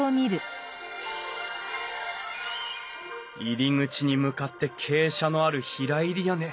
入り口に向かって傾斜のある平入り屋根。